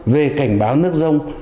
về cảnh báo nước rông